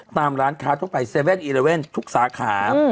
ร้านค้าทั่วไป๗๑๑ทุกสาขา